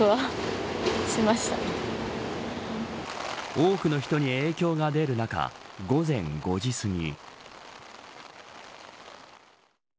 多くの人に影響が出る中午前５時すぎ。